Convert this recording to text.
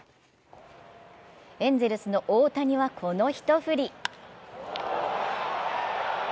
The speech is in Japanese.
エンゼルスの大谷はこの一振り。